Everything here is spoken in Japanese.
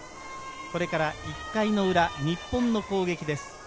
これから１回の裏、日本の攻撃です。